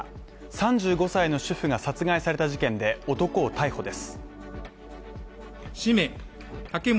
３５歳の主婦が殺害された事件で男を逮捕です。